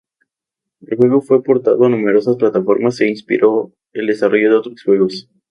El juego fue portado a numerosas plataformas e inspiró el desarrollo de otros juegos.